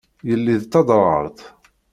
Yelli d taderɣalt.